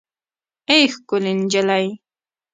اې ښکلې نجلۍ